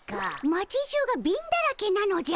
町じゅうが貧だらけなのじゃ。